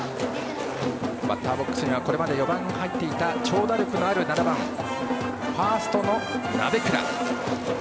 バッターボックスにはこれまで４番に入っていた長打力のある７番、鍋倉。